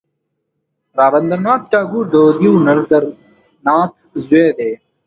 رابندر ناته ټاګور د دیو ندر ناته زوی دی.